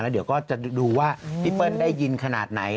เดี๋ยวก็จะดูว่าพี่เปิ้ลได้ยินขนาดไหน